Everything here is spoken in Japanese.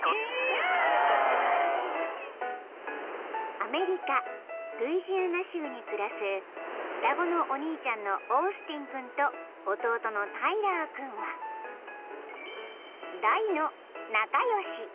［アメリカルイジアナ州に暮らす双子のお兄ちゃんのオースティン君と弟のタイラー君は大の］